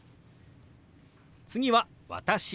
次は「私」。